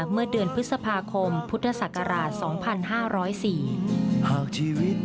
เมื่อเดือนพฤษภาคมพุทธศักราช๒๕๐๔